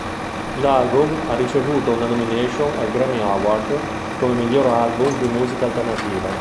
L'album ha ricevuto una nomination ai Grammy Award come miglior album di musica alternativa.